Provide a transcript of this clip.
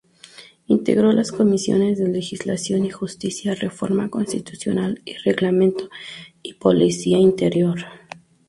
Integró las comisiones de Legislación y Justicia; Reforma Constitucional y Reglamento; y Policía Interior.